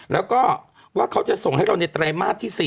แล้วก็ว่าเขาจะส่งให้เราในไตรมาสที่๔